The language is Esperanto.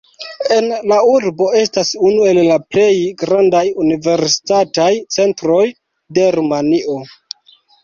En la urbo estas unu el la plej grandaj universitataj centroj de Rumanio.